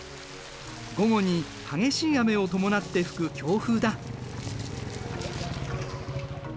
午後に激しい雨を伴って吹く強風だ。